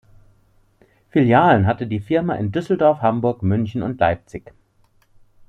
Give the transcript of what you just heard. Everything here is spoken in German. Filialen hatte die Firma in Düsseldorf, Hamburg, München und Leipzig.